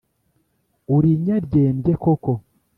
uri inyaryenge koko !